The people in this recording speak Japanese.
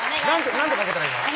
何てかけたらいいの？